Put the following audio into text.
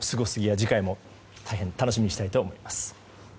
次回も大変、楽しみにしたいと思います。